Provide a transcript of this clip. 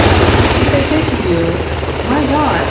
If they say to you: My God!